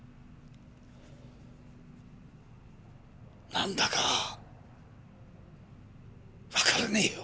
なんだかわからねえよ。